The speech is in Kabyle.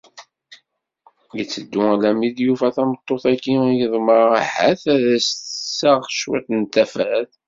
Iteddu alammi d-yufa tameṭṭut-agi i yeḍmeɛ ah-at ad as-d-tessaɣ cwiṭ n tafat.